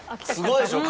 すごいでしょ？